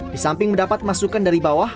di samping mendapat masukan dari bawah